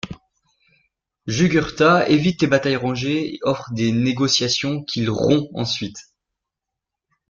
Jugurtha évite les batailles rangées et offre des négociations qu'il rompt ensuite.